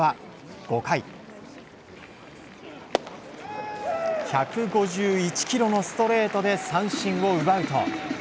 ５回、１５１キロのストレートで三振を奪うと。